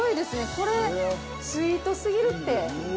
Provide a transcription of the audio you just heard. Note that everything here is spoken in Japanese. これスイートすぎるって。